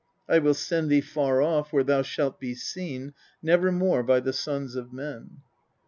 I will send thee far off where thou shalt be seen never more by the sons of men.